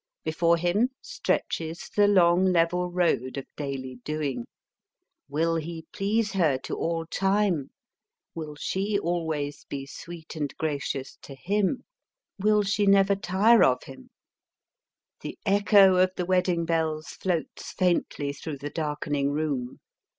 Before him stretches the long, level road of daily doing. Will he please her to all time ? Will she always be sweet and gracious to him ? Will she never tire of him ? The echo of the wedding bells floats faintly through the darkening room.